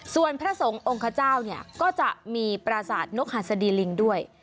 ส่วนพระสงฆ์องค์ขเจ้าเนี่ยก็จะมีปราสาทนกหัสดีลิงด้วย